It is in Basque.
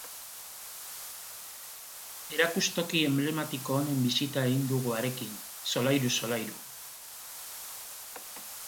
Erakustoki enblematiko honen bisita egin dugu harekin, solairuz solairu.